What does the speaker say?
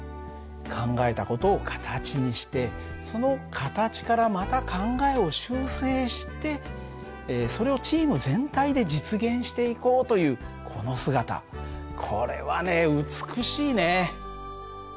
考えた事を形にしてその形からまた考えを修正してそれをチーム全体で実現していこうというこの姿これはね美しいね。